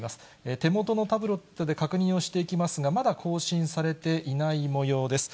手元のタブレットで確認をしていきますが、まだ更新されていないもようです。